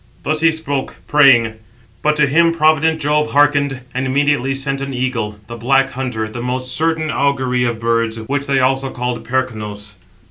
Thus he spoke, praying; but to him provident Jove hearkened, and immediately sent an eagle, the Black Hunter, the most certain augury of birds, which they also call Percnos.